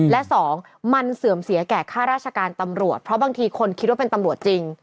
และสองมันเสื่อมเสียแก่ค่าราชการตำรวจเพราะบางทีคนคิดว่าเป็นตำรวจจริง